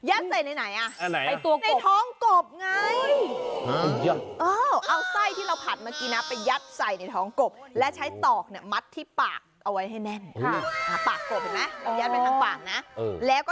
ะเฮ้อสัยที่เราผัดมันกี๊นะไปยัดใส่ในท้องกบเยอะแล้วใช้ตอกเนี่ยมัดที่ปากเอาไว้ให้แน่น